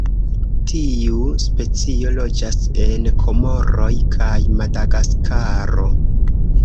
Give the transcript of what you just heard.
Tiu specio loĝas en Komoroj kaj Madagaskaro.